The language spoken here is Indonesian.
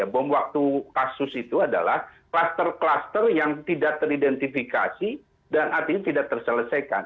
bom waktu kasus itu adalah kluster kluster yang tidak teridentifikasi dan artinya tidak terselesaikan